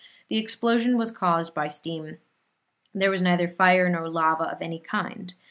"The explosion was caused by steam; there was neither fire nor lava of any kind.